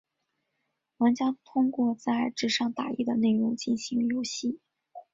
玩家通过在纸上打印的内容进行游戏。